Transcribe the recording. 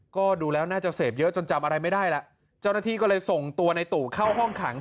ก็ดูแล้วน่าจะเสพเยอะจนจำอะไรไม่ได้แล้วเจ้าหน้าที่ก็เลยส่งตัวในตู่เข้าห้องขัง